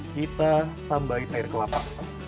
kita tambahin air kelapa